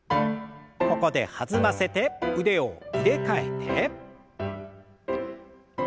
ここで弾ませて腕を入れ替えて。